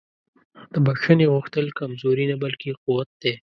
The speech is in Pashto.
د بښنې غوښتل کمزوري نه بلکې قوت دی.